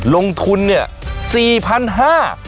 ลงทุนเนี่ย๔๕๐๐บาท